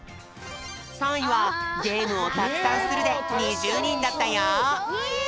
３いは「ゲームをたくさんする」で２０にんだったよ。ゲーム！